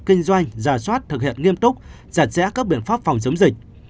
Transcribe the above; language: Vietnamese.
kinh doanh giả soát thực hiện nghiêm túc giải trẻ các biện pháp phòng chống dịch